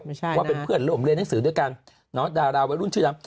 ว่าเป็นเพื่อนโรงเรียนหนังสือด้วยกันดาราวรุ่นชื่อ